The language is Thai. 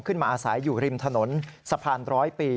อาศัยอยู่ริมถนนสะพานร้อยปี